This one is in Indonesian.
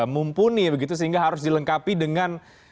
mumpuni begitu sehingga harus dilengkapi dengan